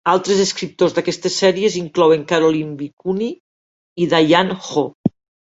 Altres escriptors d'aquestes sèries inclouen Caroline B. Cooney i Diane Hoh.